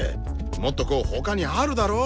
もっとこう他にあるだろ？